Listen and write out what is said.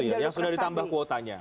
yang sudah ditambah kuotanya